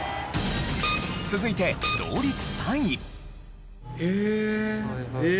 続いて同率３位。